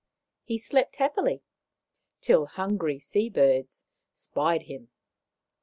He slept happily, till hungry sea birds spied him.